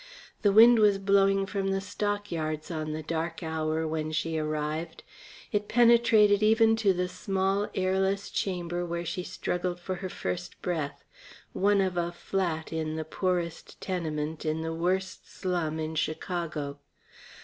The wind was blowing from the stockyards on the dark hour when she arrived. It penetrated even to the small airless chamber where she struggled for her first breath one of a "flat" in the poorest tenement in the worst slum in Chicago.